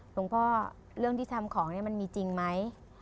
หลวงพ่อเรื่องที่ทำของเนี่ยมันมีจริงไหม